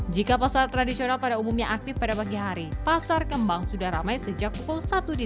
jika pasar tradisional pada umumnya aktif pada pagi hari pasar kembang sudah ramai sejak pukul satu dini